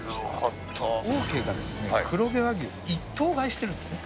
オーケーが黒毛和牛一頭買いしてるんです。